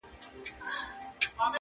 همدم نه سو د یو ښکلي د ښکلو انجمن کي.